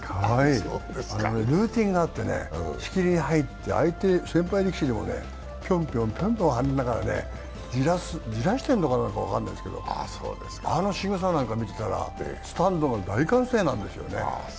ルーティンがあってね、仕切りに入って、相手、先輩力士にもね、ぴょんぴょんぴょんぴょん跳ねながらね、じらしてるんじゃないでしょうがあのしぐさなんか見てたら、スタンドも大歓声なんですよね。